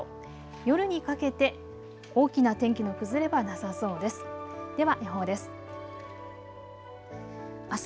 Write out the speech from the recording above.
夜にかけて大きな天気の崩れはなさそうです。